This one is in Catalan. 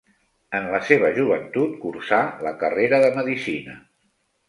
En la seva joventut cursà la carrera de medicina.